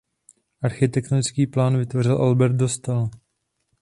Architektonický plán vytvořil Albert Dostal.